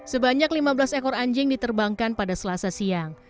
sebanyak lima belas ekor anjing diterbangkan pada selasa siang